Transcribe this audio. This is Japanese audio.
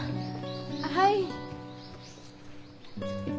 はい。